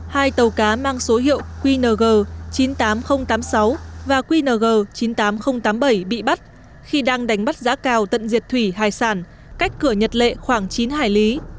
hai tàu cá mang số hiệu qng chín mươi tám nghìn tám mươi sáu và qng chín mươi tám nghìn tám mươi bảy bị bắt khi đang đánh bắt giã cào tận diệt thủy hải sản cách cửa nhật lệ khoảng chín hải lý